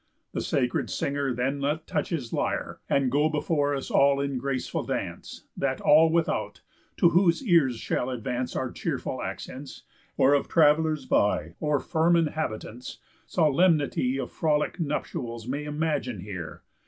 The sacred singer then let touch his lyre, And go before us all in graceful dance, That all without, to whose ears shall advance Our cheerful accents, or of travellers by, Or firm inhabitants, solemnity Of frolic nuptials may imagine here.